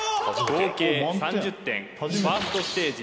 合計３０点ファーストステージ